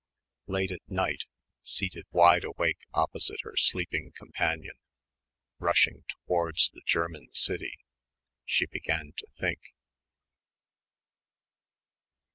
Late at night, seated wide awake opposite her sleeping companion, rushing towards the German city, she began to think.